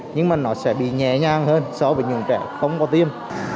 nhưng mà nó sẽ bị nhẹ nhàng hơn so với những trẻ không có tiêm